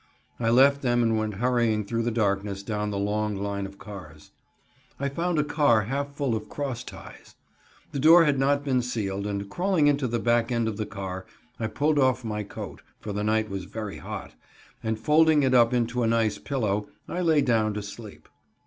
I left them and went hurrying through the darkness down the long line of cars. I found a car half full of cross ties. The door had not been sealed, and crawling into the back end of the car I pulled off my coat for the night was very hot and folding it up into a nice pillow, I lay down to sleep.